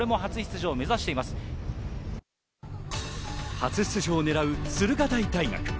初出場を狙う駿河台大学。